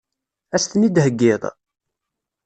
Ad as-ten-id-theggiḍ?